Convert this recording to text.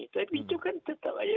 tapi itu kan tetap